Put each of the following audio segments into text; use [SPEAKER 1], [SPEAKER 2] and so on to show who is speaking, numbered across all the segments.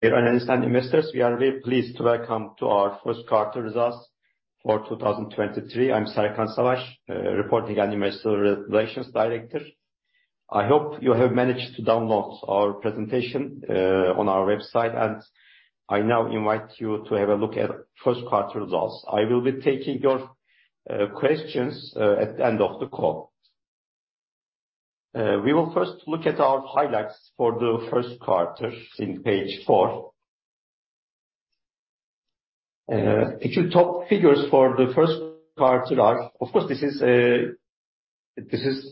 [SPEAKER 1] Dear analysts and investors, we are very pleased to welcome to our first quarter results for 2023. I'm Serkan Savas, Reporting and Investor Relations Director. I hope you have managed to download our presentation on our website, and I now invite you to have a look at first quarter results. I will be taking your questions at the end of the call. We will first look at our highlights for the first quarter in page four. Of course, this is this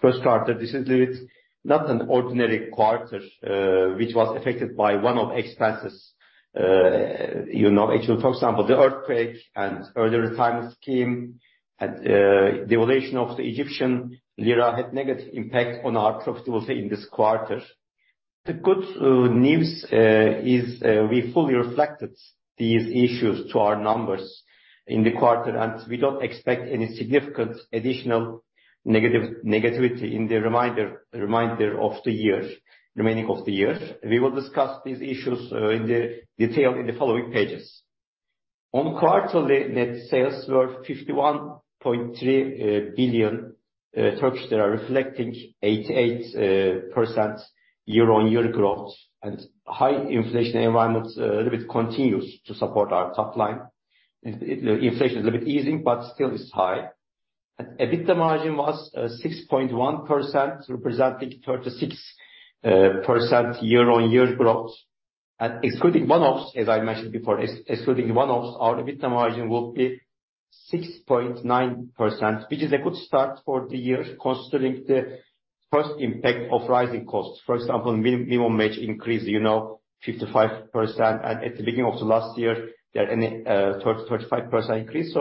[SPEAKER 1] first quarter. not an ordinary quarter, which was affected by one-off expenses. you know, actually, for example, the earthquake and early retirement scheme and the evaluation of the Egyptian lira had negative impact on our profitability in this quarter. The good news is we fully reflected these issues to our numbers in the quarter. We don't expect any significant additional negativity in the reminder of the year, remaining of the year. We will discuss these issues in the detail in the following pages. On quarterly net sales were 51.3 billion TRY reflecting 88% year-on-year growth. High inflation environment a little bit continues to support our top line. Inflation is a little bit easing. Still it's high. EBITDA margin was 6.1%, representing 36% year-on-year growth. Excluding one-offs, as I mentioned before, excluding one-offs, our EBITDA margin would be 6.9%, which is a good start for the year considering the first impact of rising costs. For example, minimum wage increase, you know, 55%. At the beginning of the last year there any, 35% increase.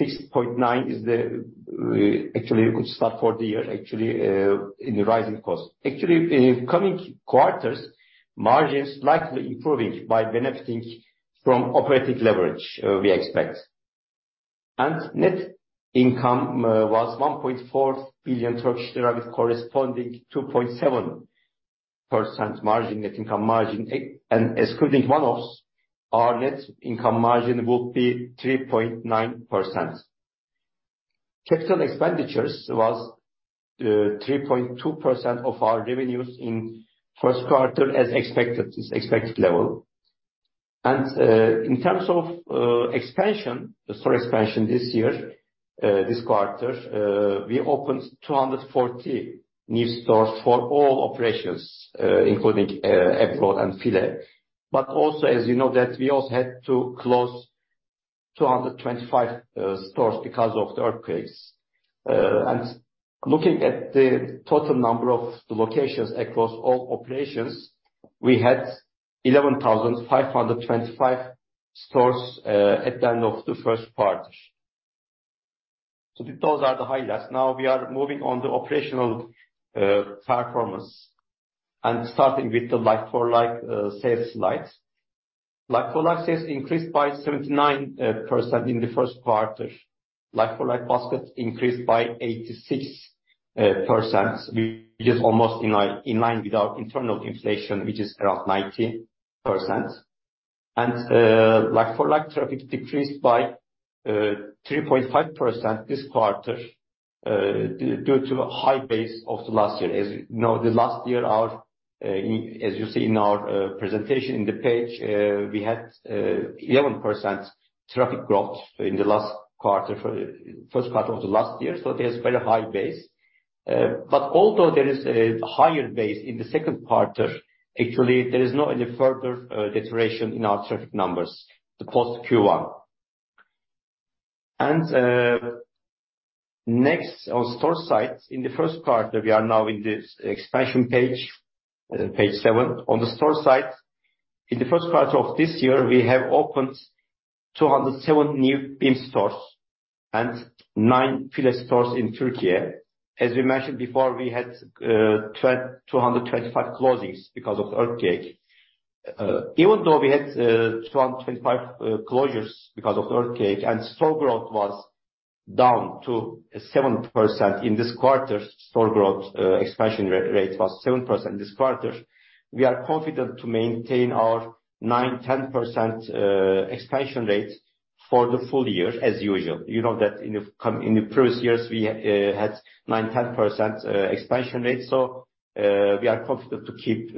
[SPEAKER 1] 6.9 is the actually a good start for the year, actually, in the rising costs. Actually, in coming quarters, margins likely improving by benefiting from operating leverage, we expect. Net income was 1.4 billion Turkish lira corresponding 2.7% margin, net income margin. Excluding one-offs, our net income margin would be 3.9%. CapEx was 3.2% of our revenues in first quarter as expected, it's expected level. In terms of expansion, the store expansion this year, this quarter, we opened 240 new stores for all operations, including abroad and FILE. Also, as you know that we also had to close 225 stores because of the earthquakes. Looking at the total number of the locations across all operations, we had 11,525 stores at the end of the first quarter. Those are the highlights. Now we are moving on to operational performance and starting with the like-for-like sales slides. Like-for-like sales increased by 79% in the first quarter. Like-for-like basket increased by 86% which is almost in line with our internal inflation, which is around 90%. Like-for-like traffic decreased by 3.5% this quarter due to a high base of the last year. As you know, the last year our, as you see in our presentation in the page, we had 11% traffic growth in the last quarter for the first quarter of the last year. There's very high base. But although there is a higher base in the second quarter, actually there is no any further deterioration in our traffic numbers, the post Q1. Next on store sites. In the first quarter, we are now in the expansion page seven. On the store site, in the first quarter of this year, we have opened 207 new BIM stores and nine FILE stores in Turkey. As we mentioned before, we had 225 closings because of the earthquake. Even though we had 225 closures because of the earthquake and store growth was down to 7% in this quarter, store growth expansion rate was 7% this quarter. We are confident to maintain our 9%-10% expansion rate for the full year as usual. You know that in the previous years we had 9%-10% expansion rate. We are confident to keep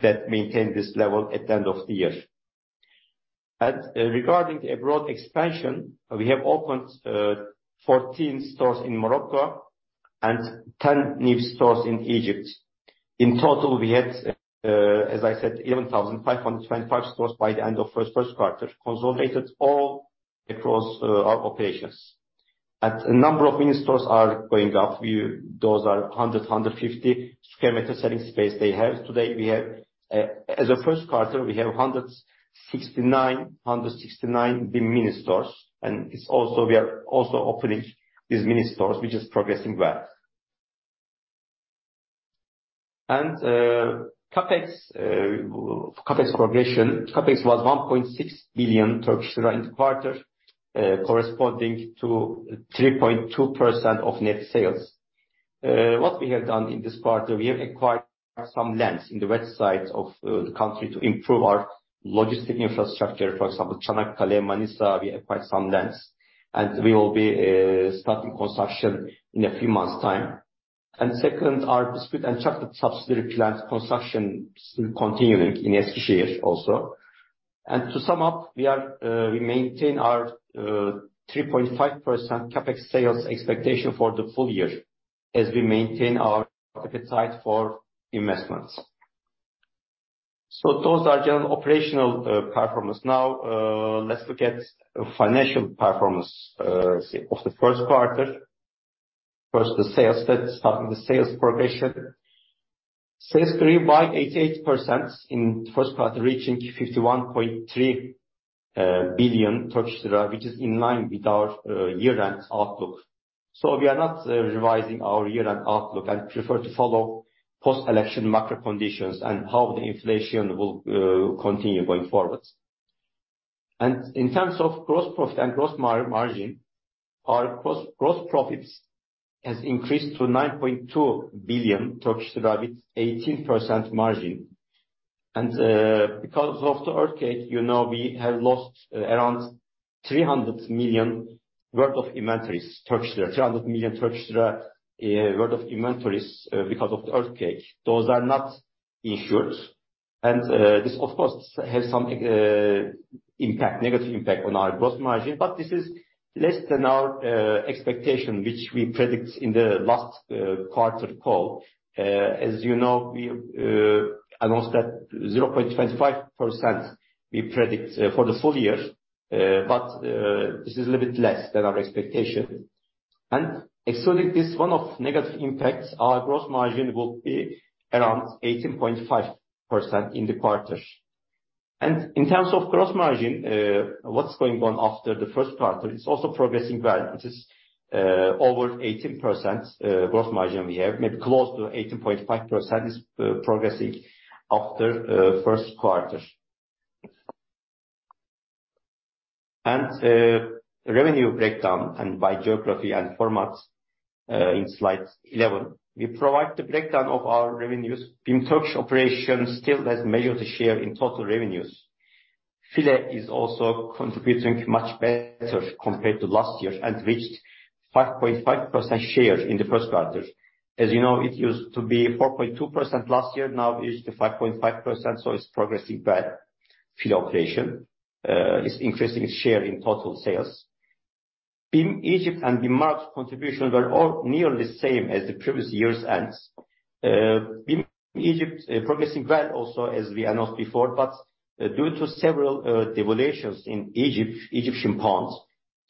[SPEAKER 1] that maintain this level at the end of the year. Regarding the abroad expansion, we have opened 14 stores in Morocco and 10 new stores in Egypt. In total, we had, as I said, 11,525 stores by the end of first quarter, consolidated all across our operations. A number of mini stores are going up. Those are 100, 150 square meter selling space they have. Today we have, as of first quarter, we have 169 BIM mini stores. We are also opening these mini stores, which is progressing well. CapEx progression. CapEx was 1.6 billion Turkish lira in the quarter, corresponding to 3.2% of net sales. What we have done in this quarter, we have acquired some lands in the west side of the country to improve our logistic infrastructure. For example, Çanakkale, Manisa, we acquired some lands, and we will be starting construction in a few months time. Second, our dispute and chartered subsidiary plant construction still continuing in Esenkent also. To sum up, we maintain our 3.5% CapEx sales expectation for the full year as we maintain our appetite for investments. Those are general operational performance. Let's look at financial performance of the first quarter. The sales. Let's start with the sales progression. Sales grew by 88% in the first quarter, reaching 51.3 billion Turkish lira, which is in line with our year-end outlook. We are not revising our year-end outlook and prefer to follow post-election macro conditions and how the inflation will continue going forward. In terms of gross profit and gross margin, our gross profits has increased to 9.2 billion with 18% margin. Because of the earthquake, you know, we have lost around 300 million worth of inventories. 300 million Turkish lira worth of inventories because of the earthquake. Those are not insured. This of course has some impact, negative impact on our gross margin, but this is less than our expectation, which we predict in the last quarter call. As you know, we announced that 0.25% we predict for the full year. This is a little bit less than our expectation. Excluding this one-off negative impacts, our gross margin will be around 18.5% in the quarter. In terms of gross margin, what's going on after the first quarter is also progressing well. This is over 18% gross margin we have, maybe close to 18.5% is progressing after first quarter. Revenue breakdown and by geography and formats in slide 11. We provide the breakdown of our revenues. BIM Turkey operations still has major share in total revenues. FILE is also contributing much better compared to last year and reached 5.5% share in the first quarter. As you know, it used to be 4.2% last year, now it is the 5.5%, it's progressing well. FILE operation is increasing its share in total sales. BIM Egypt and BIM Maroc's contributions are all nearly the same as the previous year's ends. BIM Egypt progressing well also as we announced before. Due to several devaluations in Egypt, Egyptian pounds,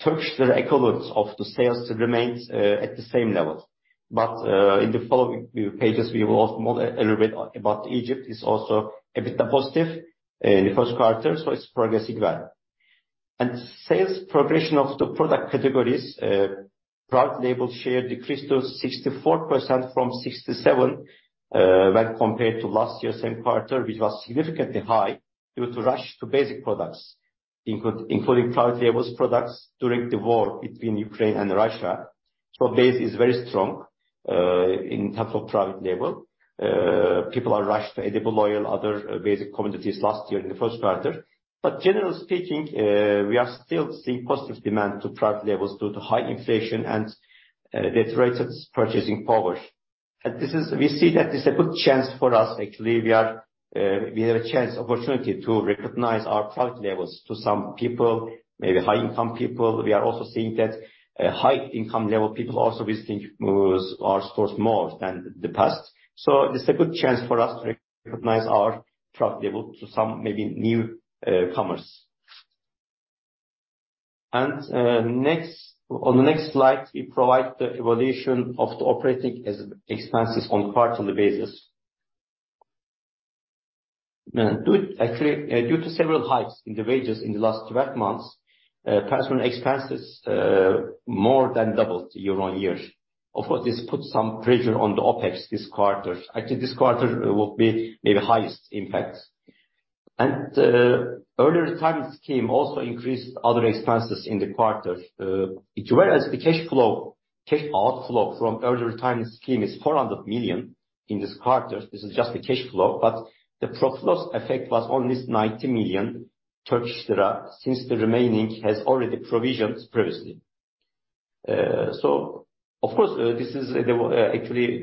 [SPEAKER 1] Turkish the equivalence of the sales remains at the same level. In the following pages, we will talk more a little bit about Egypt. It's also a bit of positive in the first quarter. It's progressing well. Sales progression of the product categories, private label share decreased to 64% from 67% when compared to last year same quarter, which was significantly high due to rush to basic products, including private labels products during the war between Ukraine and Russia. Base is very strong in terms of private label. People are rushed to edible oil, other basic commodities last year in the first quarter. Generally speaking, we are still seeing positive demand to private labels due to high inflation and deteriorated purchasing power. We see that it's a good chance for us. Actually, we are, we have a chance, opportunity to recognize our private labels to some people, maybe high-income people. We are also seeing that high income level people also visiting more, our stores more than the past. It's a good chance for us to recognize our private label to some maybe new commerce. Next, on the next slide, we provide the evaluation of the operating expenses on quarterly basis. Actually, due to several hikes in the wages in the last 12 months, personal expenses more than doubled year-on-year. Of course, this put some pressure on the OpEx this quarter. Actually, this quarter will be maybe highest impact. Early retirement scheme also increased other expenses in the quarter. Whereas the cash outflow from early retirement scheme is 400 million in this quarter. This is just the cash flow. The workflows effect was only 90 million Turkish lira since the remaining has already provisioned previously. Of course, this is the actually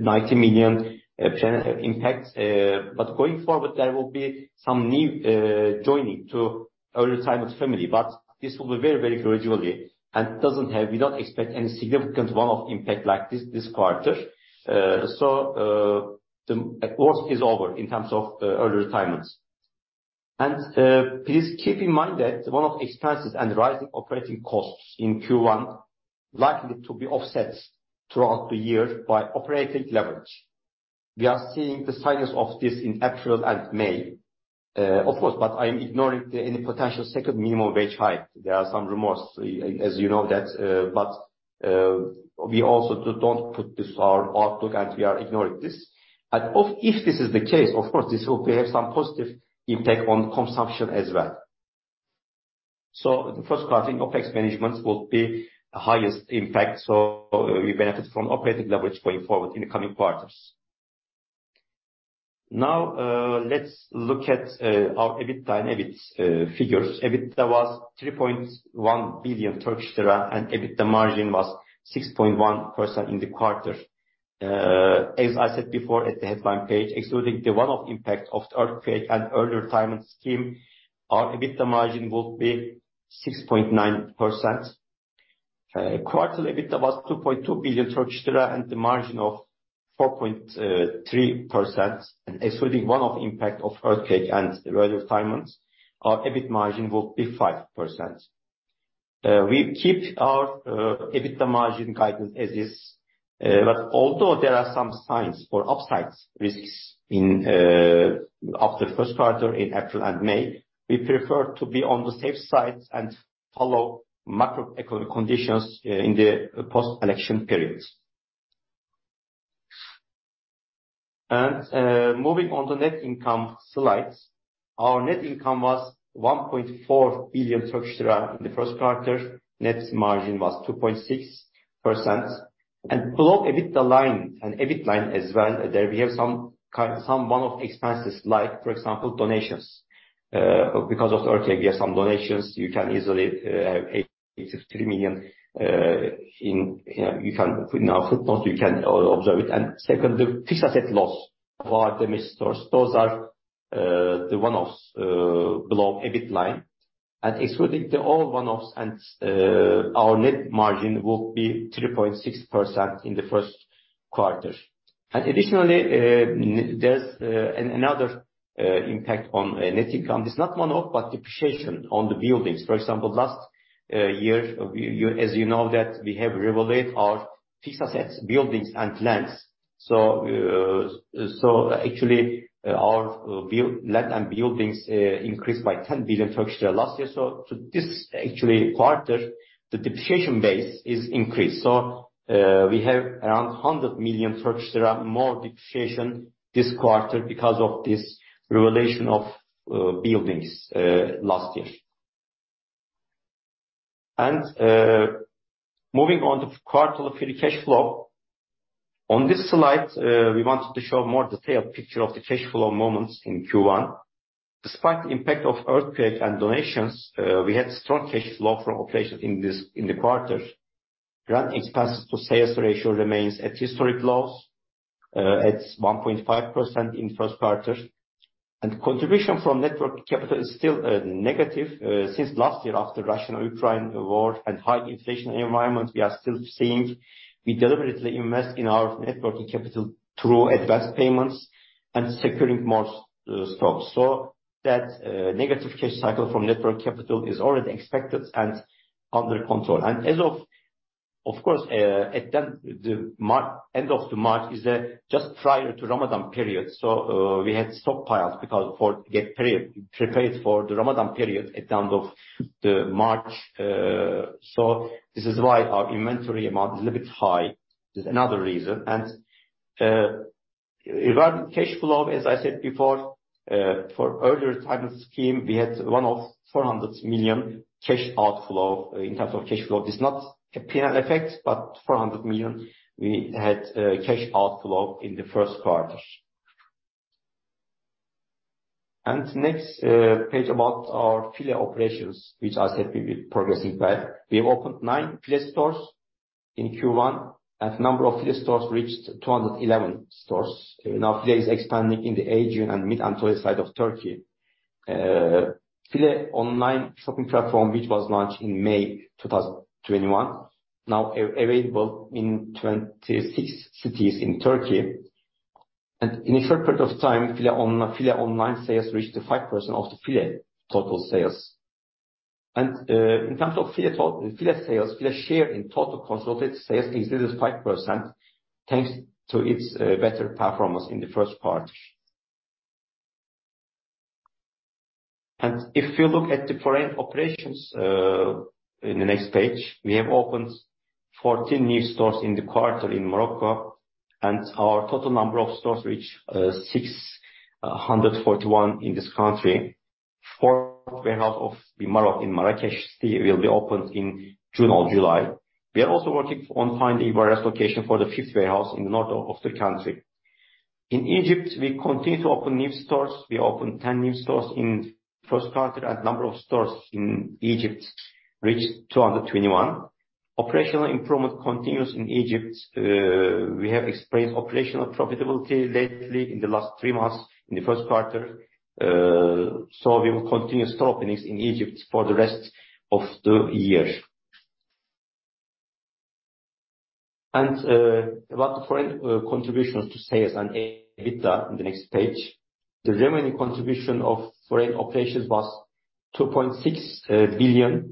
[SPEAKER 1] 90 million plan have impact. Going forward, there will be some new joining to early retirement family, but this will be very, very gradually and we don't expect any significant one-off impact like this quarter. The worst is over in terms of early retirements. Please keep in mind that one-off expenses and rising operating costs in Q1 likely to be offset throughout the year by operating leverage. We are seeing the signs of this in April and May. Of course, I'm ignoring any potential second minimum wage hike. There are some rumors, as you know that, we also don't put this our outlook, and we are ignoring this. If this is the case, of course, this will have some positive impact on consumption as well. The first quarter OpEx management will be the highest impact, so we benefit from operating leverage going forward in the coming quarters. Let's look at our EBITDA and EBIT figures. EBITDA was 3.1 billion Turkish lira, and EBITDA margin was 6.1% in the quarter. As I said before at the headline page, excluding the one-off impact of the earthquake and early retirement scheme, our EBITDA margin would be 6.9%. Quarterly EBIT was 2.2 billion Turkish lira, and the margin of 4.3%. Excluding one-off impact of earthquake and early retirements, our EBIT margin would be 5%. We kept our EBITDA margin guidance as is. Although there are some signs for upside risks in after the first quarter in April and May, we prefer to be on the safe side and follow macroeconomic conditions in the post-election periods. Moving on to net income slides. Our net income was 1.4 billion Turkish lira in the first quarter. Net margin was 2.6%. Below EBITDA line and EBIT line as well, there we have some one-off expenses, like for example, donations. Because of the earthquake, we have some donations. You can easily 883 million, you can put in our footnotes, you can observe it. Second, the fixed asset loss for damaged stores. Those are the one-offs below EBIT line. Excluding the all one-offs, our net margin would be 3.6% in the first quarter. Additionally, there's another impact on net income. It's not one-off, but depreciation on the buildings. For example, last year, as you know that we have revalued our fixed assets, buildings and lands. Actually our land and buildings increased by TRY 10 billion last year. This actually quarter, the depreciation base is increased. We have around 100 million TRY more depreciation this quarter because of this revaluation of buildings last year. Moving on to quarter free cash flow. On this slide, we wanted to show more detailed picture of the cash flow moments in Q1. Despite the impact of earthquake and donations, we had strong cash flow from operations in the quarter. Grant expenses to sales ratio remains at historic lows, at 1.5% in first quarter. Contribution from net working capital is still negative since last year after Russian-Ukraine war and high inflation environment, we are still seeing. We deliberately invest in our net working capital through advanced payments and securing more stocks. That negative cash cycle from net working capital is already expected and under control. As of course, at the end of March is just prior to Ramadan period. We had stockpiles because prepared for the Ramadan period at the end of March. This is why our inventory amount is a little bit high. There's another reason. Regarding cash flow, as I said before, for early retirement scheme, we had one of 400 million cash outflow in terms of cash flow. This is not a P&L effect, but 400 million we had cash outflow in the first quarter. Next page about our FILE operations, which I said we were progressing well. We have opened nine FILE stores in Q1, and number of FILE stores reached 211 stores. Now FILE is expanding in the Aegean and Mid-Anatolia side of Turkey. FILE online shopping platform, which was launched in May 2021, now available in 26 cities in Turkey. In a short period of time, FILE online sales reached the 5% of the FILE total sales. In terms of FILE sales, FILE share in total consolidated sales exceeded 5%, thanks to its better performance in the first quarter. If you look at the foreign operations in the next page. We have opened 14 new stores in the quarter in Morocco, and our total number of stores reached 641 in this country. Fourth warehouse of BIM Maroc in Marrakech City will be opened in June or July. We are also working on finding various locations for the fifth warehouse in the north of the country. In Egypt, we continue to open new stores. We opened 10 new stores in first quarter, and number of stores in Egypt reached 221. Operational improvement continues in Egypt. We have experienced operational profitability lately in the last three months in the first quarter. We will continue store openings in Egypt for the rest of the year. About the foreign contributions to sales and EBITDA in the next page. The remaining contribution of foreign operations was 2.6 billion Turkish lira,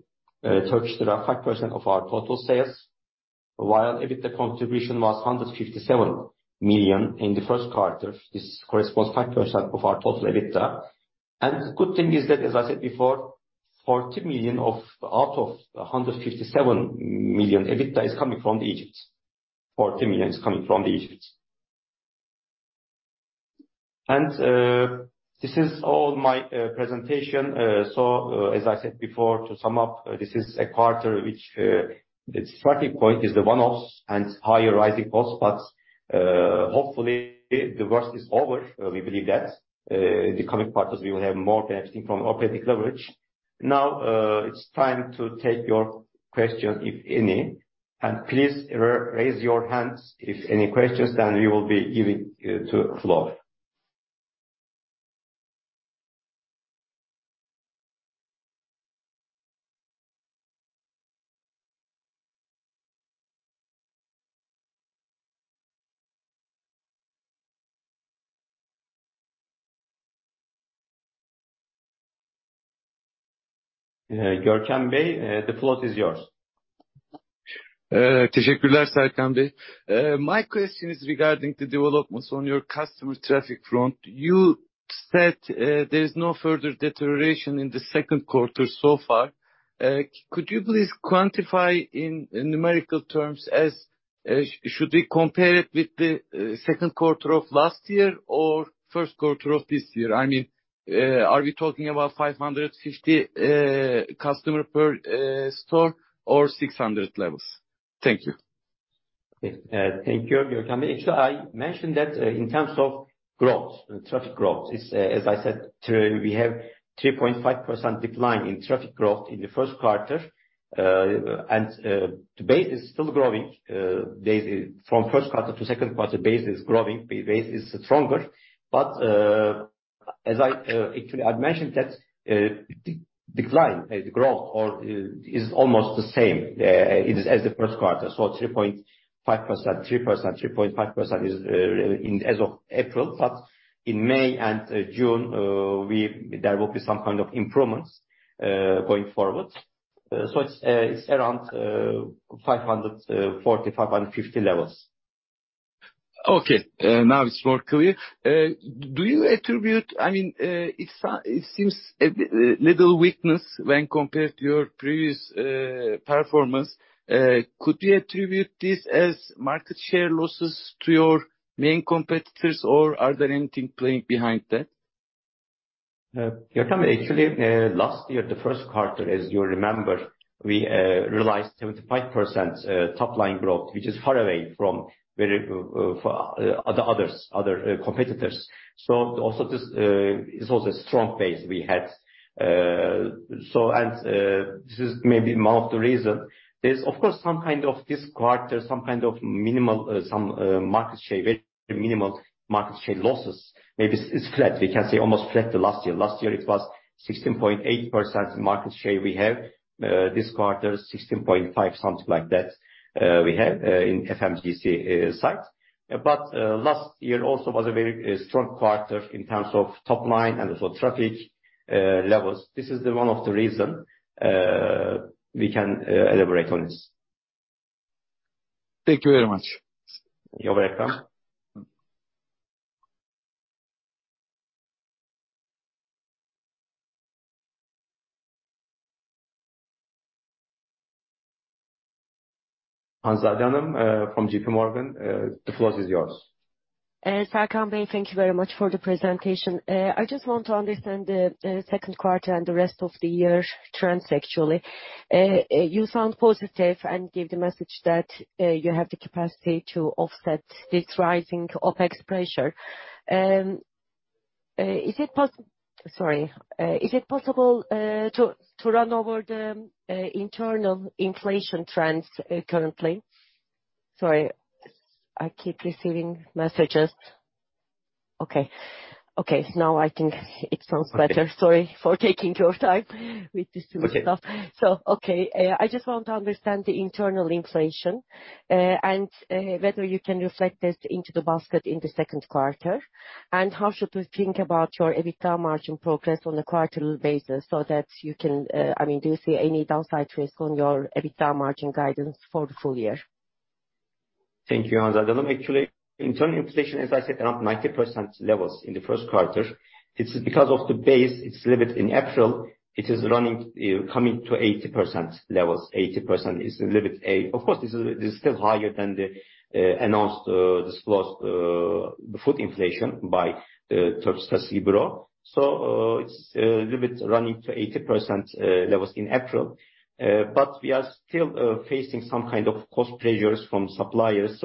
[SPEAKER 1] 5% of our total sales. While EBITDA contribution was 157 million in the first quarter. This corresponds 5% of our total EBITDA. The good thing is that, as I said before, 40 million of, out of 157 million EBITDA is coming from the Egypt. 40 million is coming from the Egypt. This is all my presentation. As I said before, to sum up, this is a quarter which, its starting point is the one-offs and higher rising costs. Hopefully the worst is over. We believe that, in the coming quarters we will have more benefiting from operating leverage. It's time to take your question, if any, and please raise your hands if any questions, then we will be giving you to floor. Gorkem Bey, the floor is yours.
[SPEAKER 2] egarding the developments on your customer traffic front. You said there is no further deterioration in the second quarter so far. Could you please quantify in numerical terms as, should we compare it with the second quarter of last year or first quarter of this year? I mean, are we talking about 560 customer per store or 600 levels? Thank you.
[SPEAKER 1] Yes. Thank you Gorkem. Actually, I mentioned that, in terms of growth, traffic growth, it's, as I said, we have 3.5% decline in traffic growth in the first quarter. The base is still growing daily. From first quarter to second quarter base is growing. Base is stronger. As I... actually I've mentioned that, decline, the growth or is almost the same as the first quarter. 3.5%, 3%, 3.5% is in as of April. In May and June, there will be some kind of improvements going forward. It's around, 540, 550 levels.
[SPEAKER 2] Okay, now it's more clear. I mean, it seems a bit little weakness when compared to your previous performance. Could you attribute this as market share losses to your main competitors or are there anything playing behind that?
[SPEAKER 1] Gorkem, actually, last year, the first quarter, as you remember, we realized 75% top line growth, which is far away from very, for other competitors. Also this is also a strong base we had. This is maybe one of the reason. There's of course some kind of this quarter, some kind of minimal market share, very minimal market share losses. Maybe it's flat. We can say almost flat the last year. Last year it was 16.8% market share we have. This quarter 16.5%, something like that, we have in FMCG side. Last year also was a very strong quarter in terms of top line and also traffic levels. This is the one of the reason, we can elaborate on this.
[SPEAKER 2] Thank you very much.
[SPEAKER 1] You're welcome. Hanzade Kılıçkıran from J.P. Morgan, the floor is yours.
[SPEAKER 3] Serkan Bey, thank you very much for the presentation. I just want to understand the second quarter and the rest of the year trends, actually. You sound positive and give the message that you have the capacity to offset this rising OpEx pressure. Sorry. Is it possible to run over the internal inflation trends currently? Sorry, I keep receiving messages. Okay, now I think it sounds better. Sorry for taking your time with this stupid stuff.
[SPEAKER 1] Okay.
[SPEAKER 3] Okay. I just want to understand the internal inflation, and whether you can reflect this into the basket in the second quarter. How should we think about your EBITDA margin progress on a quarterly basis so that you can. I mean, do you see any downside risk on your EBITDA margin guidance for the full year?
[SPEAKER 1] Thank you, Hanzade Kılıçkıran. Internal inflation, as I said, around 90% levels in the first quarter. It's because of the base, it's a little bit in April, it is running, coming to 80% levels. 80% is a little bit. Of course, this is still higher than the announced, disclosed, food inflation by the Turkish Statistical Institute. It's a little bit running to 80% levels in April. We are still facing some kind of cost pressures from suppliers.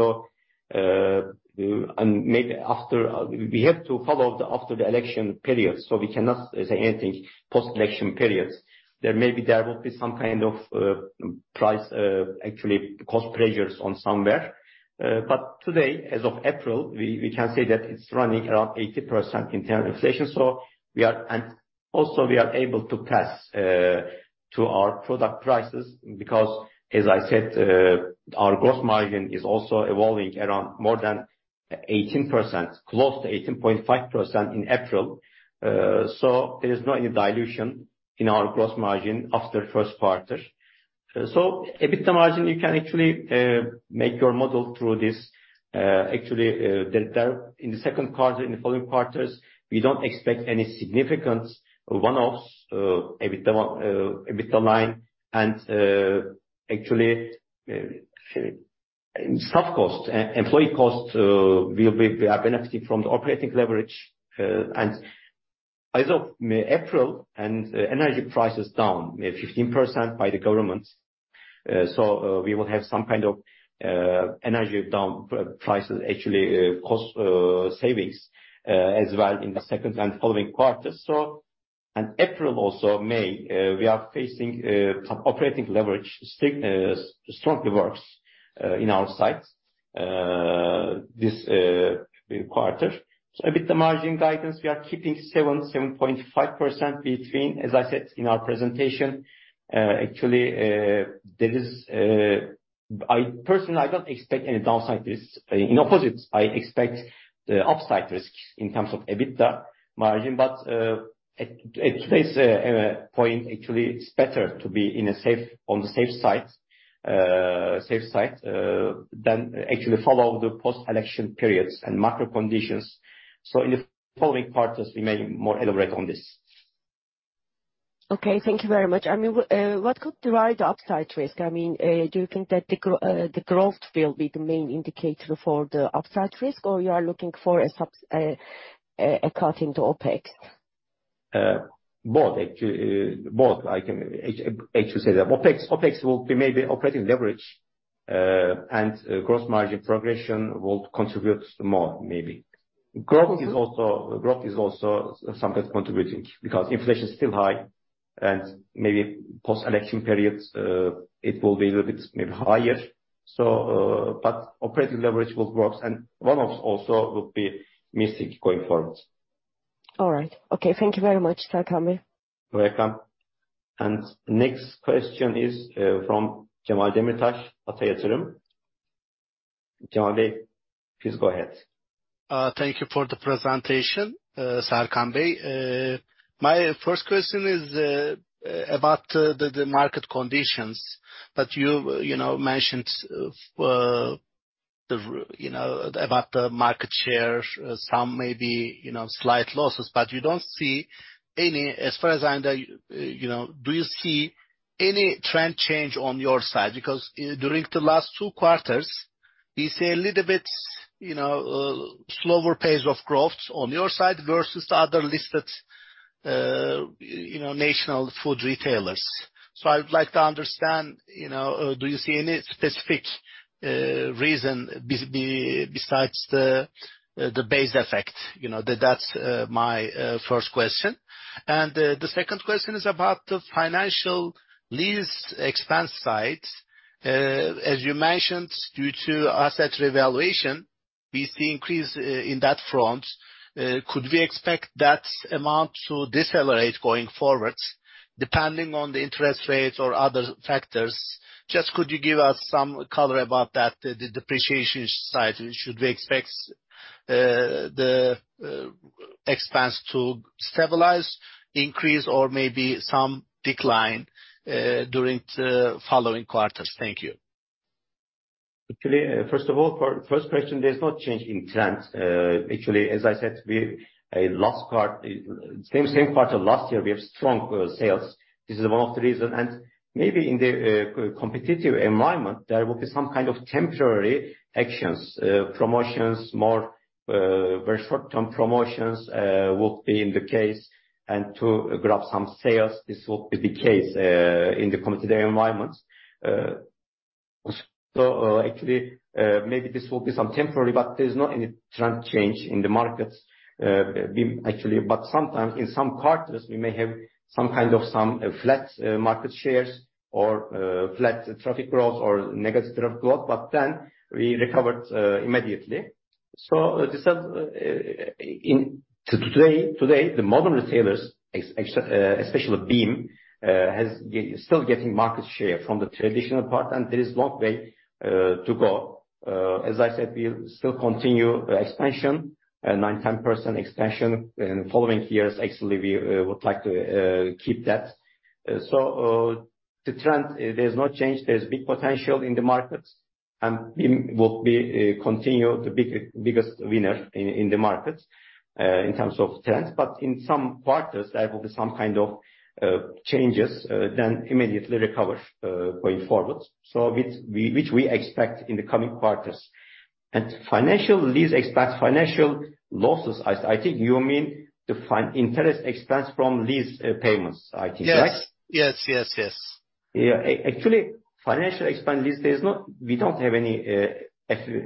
[SPEAKER 1] Maybe after we have to follow after the election period, we cannot say anything post-election periods. There will be some kind of price, actually cost pressures on somewhere. Today, as of April, we can say that it's running around 80% internal inflation. We are able to pass to our product prices because as I said, our growth margin is also evolving around more than 18%, close to 18.5% in April. There is not any dilution. In our gross margin after first quarter. EBITDA margin, you can actually make your model through this. Actually, in the second quarter, in the following quarters, we don't expect any significant one-offs EBITDA line. Actually, staff costs, employee costs, we are benefiting from the operating leverage. As of April, energy prices down 15% by the government, we will have some kind of energy down prices, actually, cost savings as well in the second and following quarters. April also, May, we are facing some operating leverage. Signa strongly works in our sites this quarter. EBITDA margin guidance, we are keeping 7%-7.5% between. As I said in our presentation, actually, there is I personally, I don't expect any downside risks. In opposite, I expect the upside risks in terms of EBITDA margin. At today's point, actually, it's better to be on the safe side than actually follow the post-election periods and macro conditions. In the following quarters, we may more elaborate on this.
[SPEAKER 3] Okay, thank you very much. I mean, what could drive the upside risk? I mean, do you think that growth will be the main indicator for the upside risk, or you are looking for a cut in the OpEx?
[SPEAKER 1] Both actually. Both. I can actually say that. OpEx will be maybe operating leverage, and gross margin progression will contribute more maybe. Growth is also sometimes contributing because inflation is still high, and maybe post-election periods, it will be a little bit maybe higher. Operating leverage will work, and one-offs also will be missing going forward.
[SPEAKER 3] All right. Okay, thank you very much, Serkan Bey.
[SPEAKER 1] Welcome. Next question is from Cemal Demirtaş Ata Yatırım. Cemal Bey, please go ahead.
[SPEAKER 4] Thank you for the presentation, Serkan Bey. My first question is about the market conditions that you know, mentioned, the, you know, about the market share, some maybe, you know, slight losses, but you don't see any as far as I know. Do you see any trend change on your side? Because during the last two quarters, we see a little bit, you know, slower pace of growth on your side versus other listed, you know, national food retailers. I would like to understand, you know, do you see any specific reason besides the base effect? You know, that's my first question. The second question is about the financial lease expense side. As you mentioned, due to asset revaluation, we see increase in that front. Could we expect that amount to decelerate going forward, depending on the interest rates or other factors? Just could you give us some color about that, the depreciation side? Should we expect the expense to stabilize, increase, or maybe some decline during the following quarters? Thank you.
[SPEAKER 1] Actually, first of all, for first question, there is no change in trend. Actually, as I said, last quarter, same quarter last year, we have strong sales. This is one of the reasons. Maybe in the competitive environment, there will be some kind of temporary actions, promotions, more, very short-term promotions, would be in the case. To grab some sales, this will be the case, in the competitive environment. Actually, maybe this will be some temporary, but there's not any trend change in the markets. We actually. Sometimes in some quarters, we may have some kind of some flat market shares or, flat traffic growth or negative traffic growth, but then we recovered, immediately. This has Today, the modern retailers especially BIM has still getting market share from the traditional part, there is long way to go. As I said, we still continue expansion, 9%, 10% expansion. In the following years, actually, we would like to keep that. The trend, there's no change. There's big potential in the markets, BIM will be continue the biggest winner in the market in terms of trends. In some quarters, there will be some kind of changes, immediately recover going forward. Which we expect in the coming quarters. Financial lease expense, financial losses, I think you mean the interest expense from lease payments, I think, right?
[SPEAKER 4] Yes. Yes, yes.
[SPEAKER 1] Yeah. Actually, financial expense lease, there's no we don't have any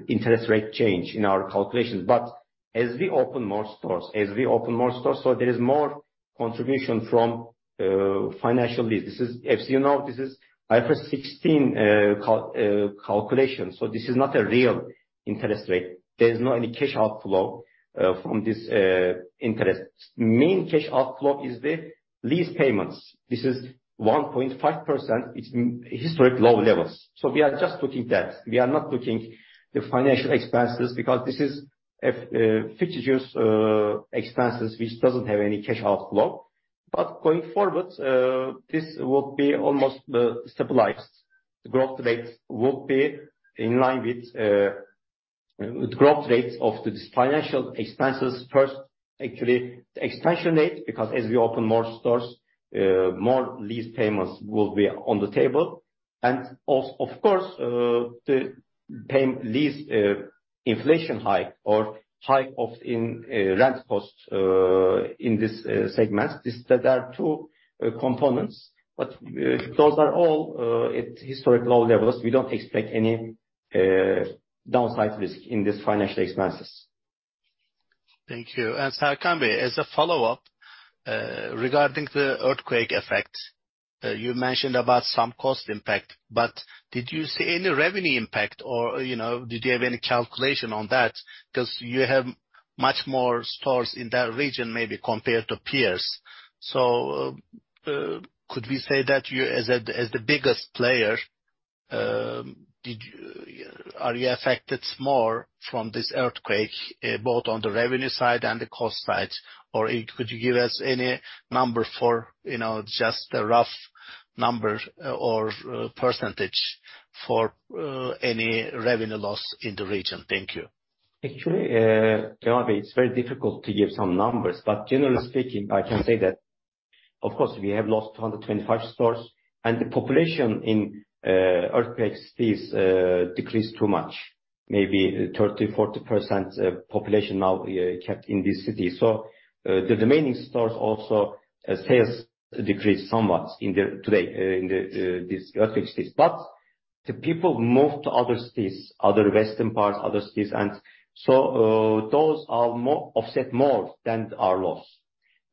[SPEAKER 1] interest rate change in our calculations. As we open more stores, there is more contribution from financial lease. This is As you know, this is IFRS 16 calculation. This is not a real interest rate. There's not any cash outflow from this interest. Main cash outflow is the lease payments. This is 1.5%. It's historic low levels. We are just looking that. We are not looking the financial expenses because this is if future use expenses, which doesn't have any cash outflow. Going forward, this would be almost stabilized. The growth rate would be in line with growth rates of this financial expenses first. Actually, the expansion rate, because as we open more stores, more lease payments will be on the table. Of course, the pay, lease, inflation hike or hike of in rent costs in this segment. There are two components. Those are all at historic low levels. We don't expect any downside risk in this financial expenses.
[SPEAKER 4] Thank you. Serkan Bey, as a follow-up, regarding the earthquake effect, you mentioned about some cost impact. Did you see any revenue impact or, you know, did you have any calculation on that? 'Cause you have much more stores in that region maybe compared to peers. Could we say that you as the biggest player, are you affected more from this earthquake, both on the revenue side and the cost side? Could you give us any number for, you know, just a rough number or percentage for any revenue loss in the region? Thank you.
[SPEAKER 1] Actually, Canbay, it's very difficult to give some numbers. Generally speaking, I can say that, of course, we have lost 225 stores, and the population in earthquake cities decreased too much. Maybe 30%, 40% population now kept in this city. The remaining stores also sales decreased somewhat today, in the this earthquake cities. The people moved to other cities, other western parts, other cities, offset more than our loss. For some,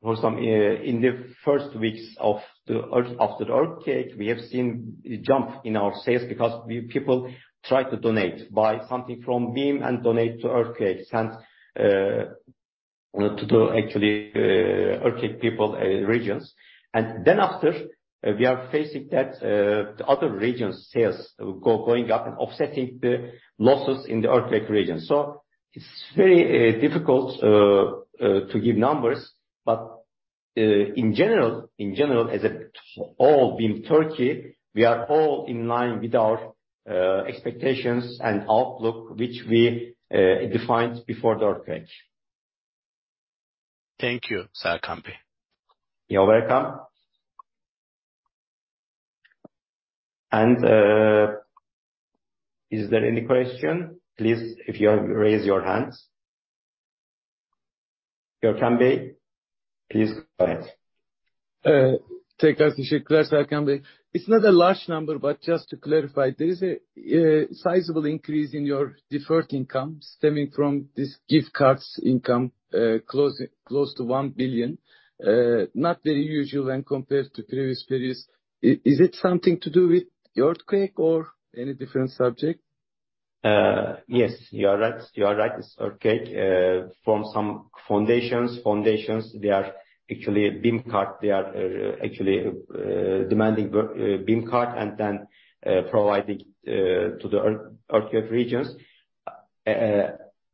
[SPEAKER 1] in the first weeks of the after the earthquake, we have seen a jump in our sales because people try to donate, buy something from BİM and donate to earthquake, send to the actually earthquake people regions. After, we are facing that, the other regions' sales going up and offsetting the losses in the earthquake region. It's very difficult to give numbers. In general, as all BİM Turkey, we are all in line with our expectations and outlook, which we defined before the earthquake.
[SPEAKER 4] Thank you, Serkan Bey.
[SPEAKER 1] You're welcome. Is there any question, please, if you have, raise your hands. Gökhan Bey, please go ahead.
[SPEAKER 2] It's not a large number, but just to clarify, there is a sizable increase in your deferred income stemming from this gift cards income, close to 1 billion. Not very usual when compared to previous periods. Is it something to do with the earthquake or any different subject?
[SPEAKER 1] Yes, you are right. You are right, it's earthquake. From some foundations, they are actually BİM Kart. They are actually demanding BİM Kart and then providing to the earthquake regions.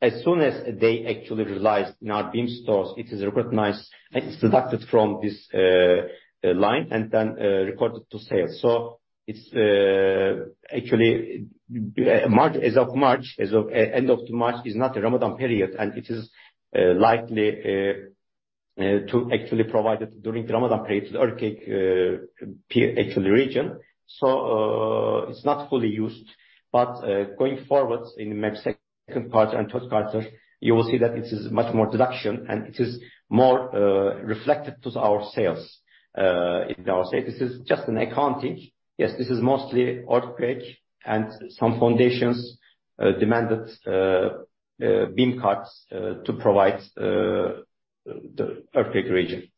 [SPEAKER 1] As soon as they actually realize in our BİM stores, it is recognized, and it's deducted from this line and then recorded to sales. It's actually, as of end of March, is not a Ramadan period, and it is likely to actually provide it during the Ramadan period to the earthquake region. It's not fully used. Going forward in the maybe second quarter and third quarter, you will see that it is much more deduction, and it is more reflected to our sales in our sales. This is just an accounting. Yes, this is mostly earthquake and some foundations demanded BİM cards to provide the earthquake region.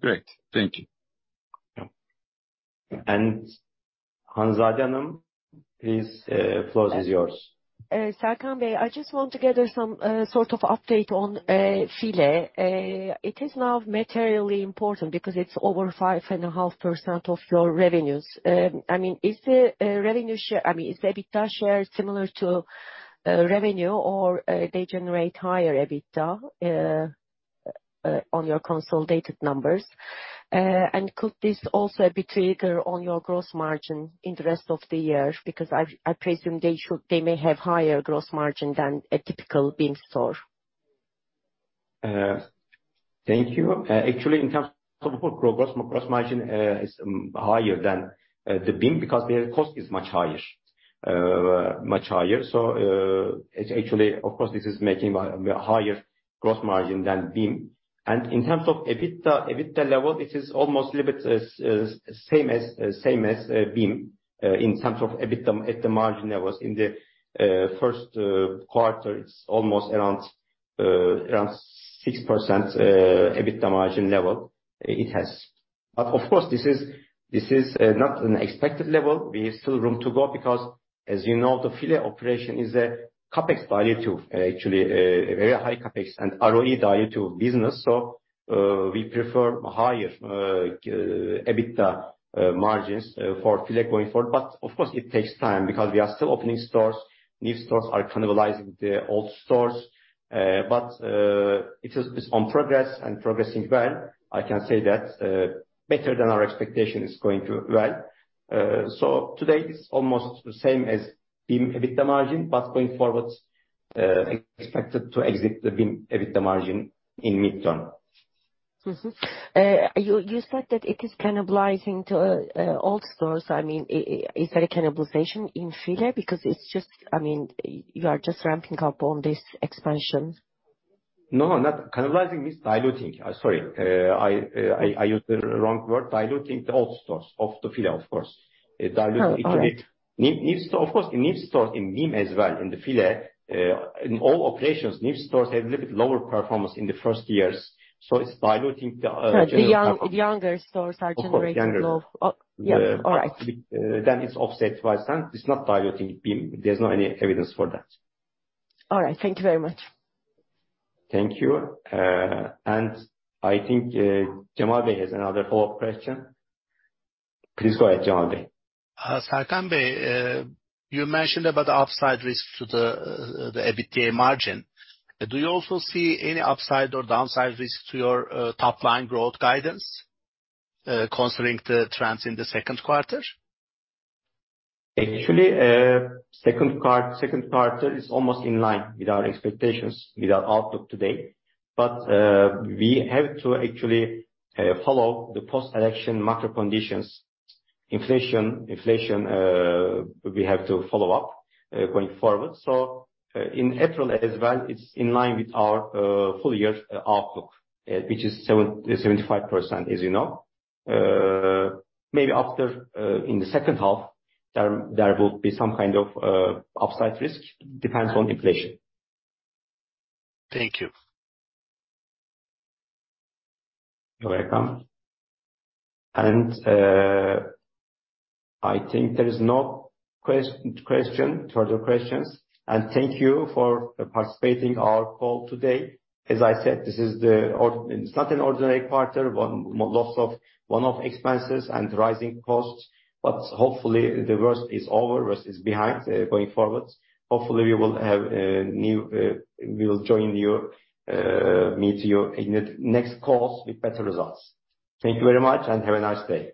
[SPEAKER 2] Great. Thank you.
[SPEAKER 1] Hanzade Hanım, please, floor is yours.
[SPEAKER 3] Serkan Bey, I just want to gather some sort of update on FILE. It is now materially important because it's over 5.5% of your revenues. I mean, is the EBITDA share similar to revenue or they generate higher EBITDA on your consolidated numbers? Could this also be trigger on your gross margin in the rest of the year? Because I presume they may have higher gross margin than a typical BİM store.
[SPEAKER 1] Thank you. Actually, in terms of gross margin, is higher than the BİM because their cost is much higher. It's actually, of course, this is making a higher gross margin than BİM. In terms of EBITDA level, it is almost a bit, same as BİM, in terms of EBITDA margin levels. In the first quarter, it's almost around 6%, EBITDA margin level it has. Of course, this is not an expected level. We still room to go because as you know, the FILE operation is a CapEx value to actually, a very high CapEx and ROE value to business. We prefer higher, EBITDA, margins, for FILE going forward. Of course it takes time because we are still opening stores. New stores are cannibalizing the old stores. It's on progress and progressing well, I can say that. Better than our expectation, it's going to well. Today it's almost the same as BIM EBITDA margin, but going forward, expected to exit the BIM EBITDA margin in midterm.
[SPEAKER 3] You said that it is cannibalizing to old stores. I mean, is there a cannibalization in FILE? It's just. I mean, you are just ramping up on this expansion.
[SPEAKER 1] No, I'm not cannibalizing, it's diluting. Sorry, I used the wrong word. Diluting the old stores of the FILE, of course. It dilutes a bit.
[SPEAKER 3] Oh, all right.
[SPEAKER 1] New store, of course, new store in BIM as well, in the FILE, in all operations, new stores have a little bit lower performance in the first years. It's diluting the.
[SPEAKER 3] The younger stores are generating low-
[SPEAKER 1] Of course, younger, yes.
[SPEAKER 3] Yeah. All right.
[SPEAKER 1] It's offset by some. It's not diluting BIM. There's not any evidence for that.
[SPEAKER 3] All right. Thank you very much.
[SPEAKER 1] Thank you. I think Cemal Bey has another follow-up question. Please go ahead, Cemal Bey.
[SPEAKER 4] Serkan Bey, you mentioned about the upside risks to the EBITDA margin. Do you also see any upside or downside risks to your top line growth guidance, considering the trends in the second quarter?
[SPEAKER 1] Actually, second quarter is almost in line with our expectations, with our outlook today. We have to actually follow the post-election macro conditions. Inflation, we have to follow up going forward. In April as well, it's in line with our full year outlook, which is 70%-75%, as you know. Maybe after in the second half, there will be some kind of upside risk. Depends on inflation.
[SPEAKER 4] Thank you.
[SPEAKER 1] You're welcome. I think there is no question, further questions. Thank you for participating our call today. As I said, this is the it's not an ordinary quarter. Loss of one-off expenses and rising costs. Hopefully, the worst is over, worst is behind, going forward. Hopefully, we will have new, we'll join you, meet you in the next calls with better results. Thank you very much, and have a nice day.